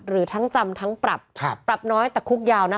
หรือทั้งจำทั้งปรับปรับน้อยแต่คุกยาวนะ